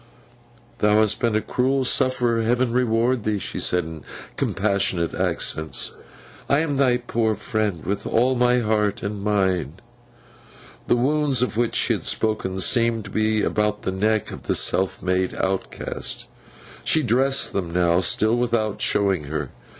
'Thou hast been a cruel sufferer, Heaven reward thee!' she said, in compassionate accents. 'I am thy poor friend, with all my heart and mind.' [Picture: Stephen and Rachael in the sick room] The wounds of which she had spoken, seemed to be about the neck of the self made outcast. She dressed them now, still without showing her.